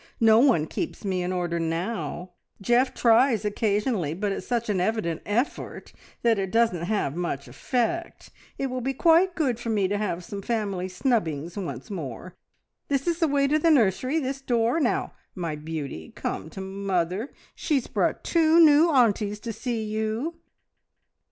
No one keeps me in order now. Geoff tries occasionally, but it's such an evident effort that it doesn't have much effect. It will be quite good for me to have some family snubbings once more. This is the way to the nursery this door! Now, my beauty, come to mother. She's brought two new aunties to see you!"